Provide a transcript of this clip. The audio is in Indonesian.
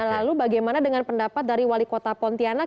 lalu bagaimana dengan pendapat dari wali kota pontianak